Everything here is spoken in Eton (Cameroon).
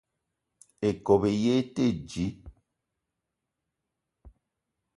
Ikob í yé í te dji.